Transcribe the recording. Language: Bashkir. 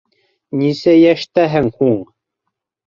Нисә йәштәһең һуң?